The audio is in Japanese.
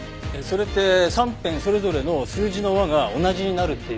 それって３辺それぞれの数字の和が同じになるっていう？